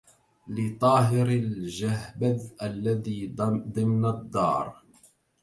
لطاهر الجهبذ الذي ضمن الدار